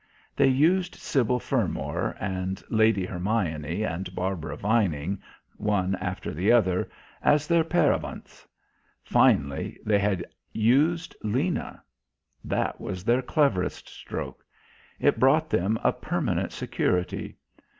They used Sybil Fermor and Lady Hermione and Barbara Vining, one after the other, as their paravents. Finally they had used Lena. That was their cleverest stroke. It brought them a permanent security.